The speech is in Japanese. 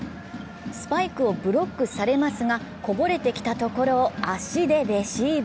スパイクをブロックされますがこぼれてきたところを足でレシーブ。